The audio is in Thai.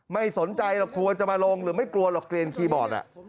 ไม่สนใจหรอกกลัวจะมาลงหรือไม่กลัวหรอกเกลียนคีย์บอร์ด